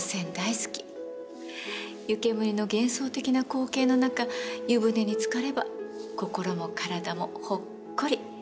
湯煙の幻想的な光景の中湯船につかれば心も体もほっこり。